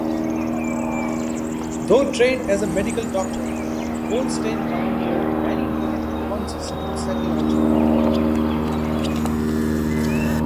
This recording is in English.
Though trained as a medical doctor, Goldstein pioneered many important advances in psychology.